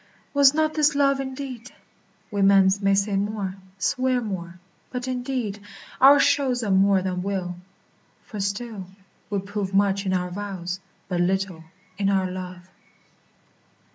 Was not this love, indeed? We men may say more, swear more: but, indeed, Our shows are more than will; for still we prove Much in our vows, but little in our love.